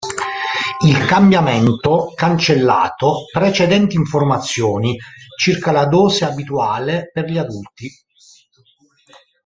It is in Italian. Il cambiamento cancellato precedenti informazioni circa la dose abituale per gli adulti.